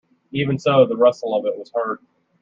Even so, the rustle of it was heard.